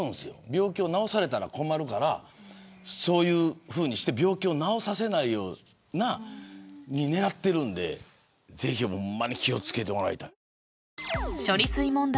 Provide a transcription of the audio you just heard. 病気を治させられたら困るからそういうふうにして病気を治させないような狙っているんでほんまに気を付けてもらいたい。